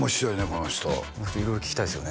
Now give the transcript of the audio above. この人色々聞きたいですよね